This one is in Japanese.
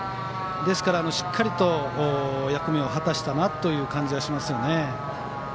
ですから、しっかりと役目を果たしたなという感じがしますよね。